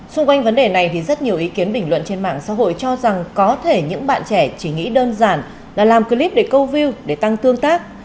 xung quanh vấn đề này thì rất nhiều ý kiến bình luận trên mạng xã hội cho rằng có thể những bạn trẻ chỉ nghĩ đơn giản là làm clip để câu view để tăng tương tác